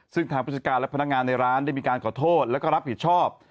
ซึ่งทางผู้จัดการและพนักงานในร้านได้มีการขอโทษแล้วก็รับผิดชอบ